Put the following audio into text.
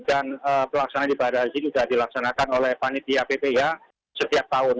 dan pelaksanaan di badan haji sudah dilaksanakan oleh panitia ppih setiap tahun